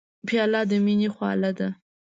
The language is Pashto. پیاله د مینې خواله ده.